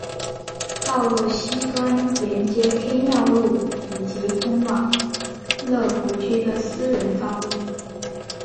道路西端连接天耀路以及通往乐湖居的私人道路。